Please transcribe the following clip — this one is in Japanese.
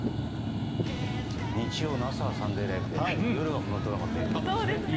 日曜の朝は「サンデーＬＩＶＥ！！」で夜はこのドラマということで。